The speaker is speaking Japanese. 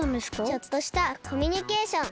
ちょっとしたコミュニケーション。